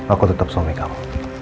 aku tetap suami kamu